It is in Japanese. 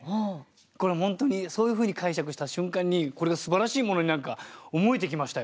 これ本当にそういうふうに解釈した瞬間にこれがすばらしいものに何か思えてきましたよ。